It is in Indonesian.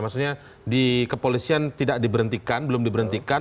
maksudnya di kepolisian tidak diberhentikan belum diberhentikan